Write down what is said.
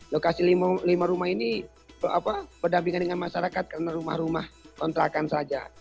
lokasi lima rumah ini berdampingan dengan masyarakat karena rumah rumah kontrakan saja